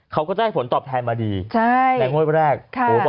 เขาก็ได้ผลตอบแทนมาดีแม่ง้วยเมื่อแรก